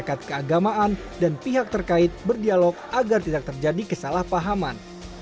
masyarakat keagamaan dan pihak terkait berdialog agar tidak terjadi kesalahpahaman